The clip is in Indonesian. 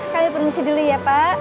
kami permisi dulu ya pak